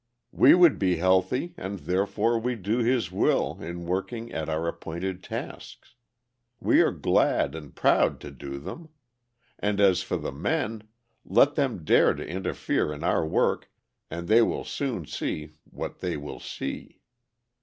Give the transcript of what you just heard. We would be healthy, and therefore we do His will in working at our appointed tasks. We are glad and proud to do them. And as for the men: let them dare to interfere in our work and they will soon see what they will see.